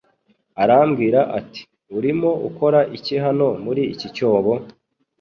arambwira ati Urimo ukora iki hano muri iki cyobo